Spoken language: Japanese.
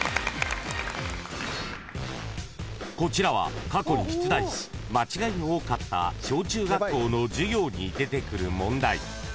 ［こちらは過去に出題し間違いの多かった小中学校の授業に出てくる問題］